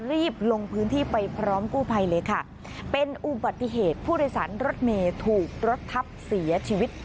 รีบลงพื้นที่ไปพร้อมกู้ภัยเลยค่ะเป็นอุบัติเหตุผู้โดยสารรถเมย์ถูกรถทับเสียชีวิต